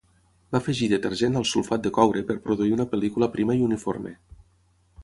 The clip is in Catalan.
Va afegir detergent al sulfat de coure per produir una pel·lícula prima i uniforme.